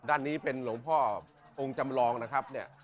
ด้านนี้เป็นหลวงพ่อองค์จำลองนะครับเนี่ย